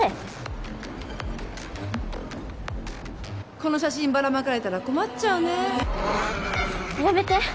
この写真ばらまかれたら困っちゃうねやめて！